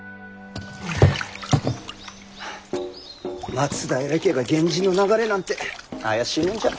松平家が源氏の流れなんて怪しいもんじゃ。